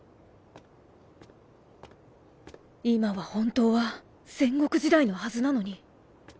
今は本当は戦国時代のはずなのに